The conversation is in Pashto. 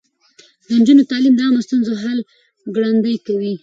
د نجونو تعليم د عامه ستونزو حل ګړندی کوي.